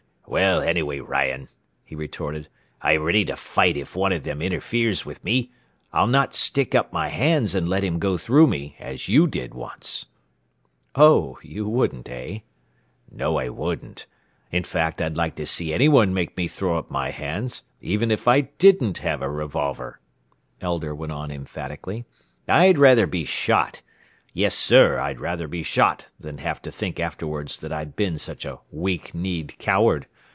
"Well, anyway, Ryan," he retorted, "I am ready to fight if one of them interferes with me. I'll not stick up my hands and let him go through me, as you did once." "Oh, you wouldn't, eh?" "No, I wouldn't. In fact, I'd like to see anyone make me throw up my hands, even if I didn't have a revolver," Elder went on emphatically. "I'd rather be shot yes, sir, I'd rather be shot than have to think afterward that I'd been such a weak kneed coward.